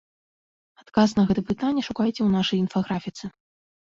Адказ на гэта пытанне шукайце ў нашай інфаграфіцы.